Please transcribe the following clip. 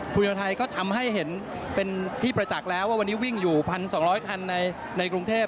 ภูมิใจไทยก็ทำให้เห็นเป็นที่ประจักษ์แล้วว่าวันนี้วิ่งอยู่๑๒๐๐คันในกรุงเทพ